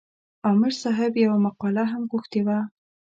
عامر صاحب یوه مقاله هم غوښتې وه.